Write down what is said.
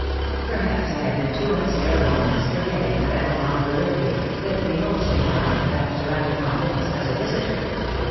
"Perhaps I have been too unceremonious, forgetting that I no longer live here, that it behoves me now, per haps, to act in all things as a visitor.